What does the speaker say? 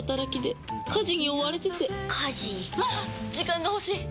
時間が欲しい！